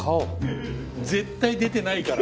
絶対出てないから。